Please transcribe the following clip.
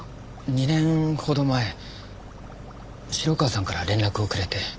２年ほど前城川さんから連絡をくれて。